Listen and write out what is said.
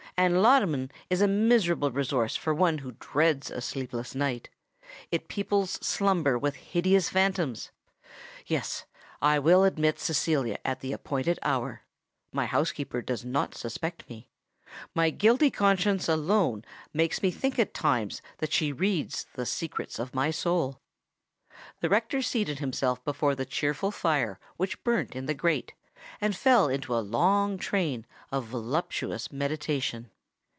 And laudanum is a miserable resource for one who dreads a sleepless night: it peoples slumber with hideous phantoms. Yes—I will admit Cecilia at the appointed hour:—my housekeeper does not suspect me—my guilty conscience alone makes me think at times that she reads the secrets of my soul?" The rector seated himself before the cheerful fire which burnt in the grate, and fell into a long train of voluptuous meditation.